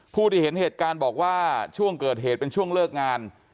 ผู้ที่เห็นเหตุการณ์บอกว่าช่วงเกิดเหตุเป็นช่วงเลิกงาน